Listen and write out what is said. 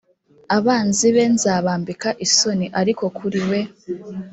abanzi be nzabambika isoni ariko kuri we